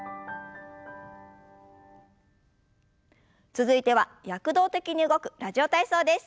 続いては躍動的に動く「ラジオ体操」です。